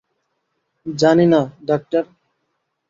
জানি না, ডাক্তার।